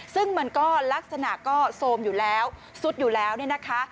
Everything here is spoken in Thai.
ซึ่งมันก็ลักษณะก็โซมอยู่แล้วซุดอยู่แล้วเนี่ยนะคะ